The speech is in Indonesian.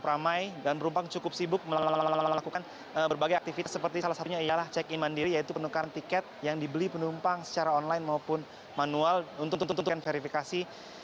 ramai dan penumpang cukup sibuk melakukan berbagai aktivitas seperti salah satunya ialah check in mandiri yaitu penukaran tiket yang dibeli penumpang secara online maupun manual untuk tentukan verifikasi